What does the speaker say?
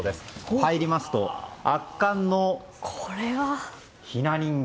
入りますと圧巻の雛人形。